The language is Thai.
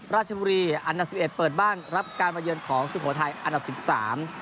ราชบุรีอันดับ๑๑เปิดบ้างรับการมาเยินของสุโขทัยอันดับ๑๓